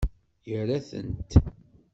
Ira-tent.